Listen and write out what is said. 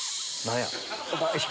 何や？